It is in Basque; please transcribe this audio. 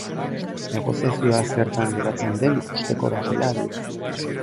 Negoziazioa zertan geratzen den ikusteko dagoela adierazi du.